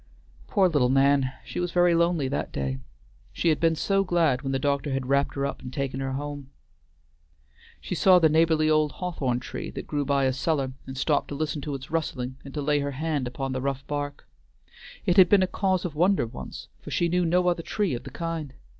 Poor little Nan! she was very lonely that day. She had been so glad when the doctor had wrapped her up and taken her home. She saw the neighborly old hawthorn tree that grew by a cellar, and stopped to listen to its rustling and to lay her hand upon the rough bark. It had been a cause of wonder once, for she knew no other tree of the kind.